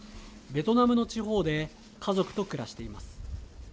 ベトナムの地方で家族と暮らしています。